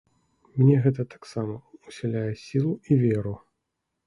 Мне гэта таксама ўсяляе сілу і веру.